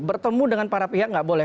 bertemu dengan para pihak nggak boleh